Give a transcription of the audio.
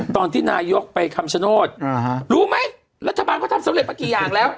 ตอนที่นายกไปคำชโนธรู้ไหมรัฐบาลเขาทำสำเร็จมากี่อย่างแล้ว